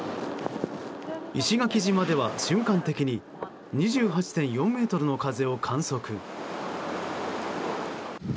石垣島では瞬間的に２８．４メートルの風を観測。